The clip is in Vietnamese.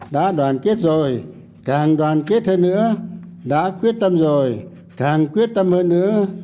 đã đoàn kết rồi càng đoàn kết hơn nữa đã quyết tâm rồi càng quyết tâm hơn nữa